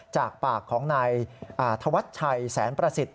จากปากของนายธวัชชัยแสนประสิทธิ